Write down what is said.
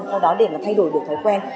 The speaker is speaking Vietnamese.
sau đó để thay đổi được thói quen